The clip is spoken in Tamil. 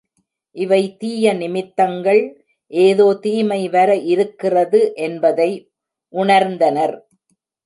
இவை தீய நிமித்தங்கள், ஏதோ தீமை வர இருக்கிறது என்பதை உணர்ந்தனர்.